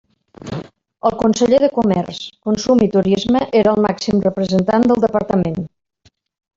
El conseller de Comerç, Consum i Turisme era el màxim representant del departament.